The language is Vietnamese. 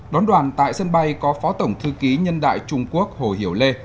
đón đoàn tại sân bay có phó tổng thư ký nhân đại trung quốc hồ hiểu lê